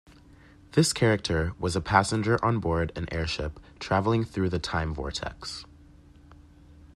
This character was a passenger on board an airship travelling through the Time Vortex.